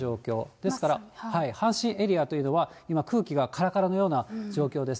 ですから、阪神エリアというのは、今、空気がからからのような状況です。